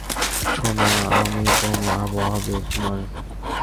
সোনা, আমি কোনো আবহাওয়াবীদ নই!